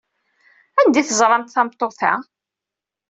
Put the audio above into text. Anda ay teẓramt tameṭṭut-a?